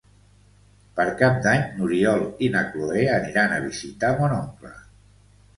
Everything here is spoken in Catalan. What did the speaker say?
Per Cap d'Any n'Oriol i na Cloè aniran a visitar mon oncle.